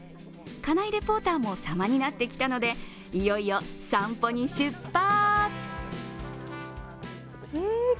金井レポーターも様になってきたので、いよいよ散歩に出発。